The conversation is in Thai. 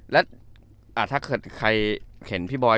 แล้วก็ถ้าใครเห็นพี่บอย